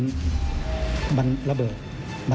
มีความรู้สึกว่ามีความรู้สึกว่า